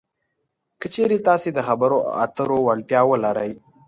که چېرې تاسې د خبرو اترو وړتیا ولرئ